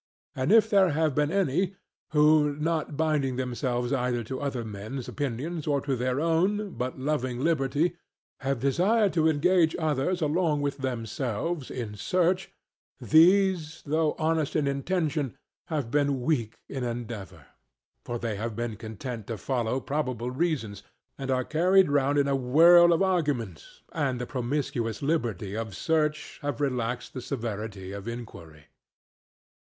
And if there have been any who, not binding themselves either to other men's opinions or to their own, but loving liberty, have desired to engage others along with themselves in search, these, though honest in intention, have been weak in endeavour. For they have been content to follow probable reasons, and are carried round in a whirl of arguments, and in the promiscuous liberty of search have relaxed the severity of inquiry.